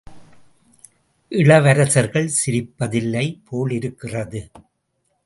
இளவரசர்கள் சிரிப்பதில்லை போலிருக்கிறது!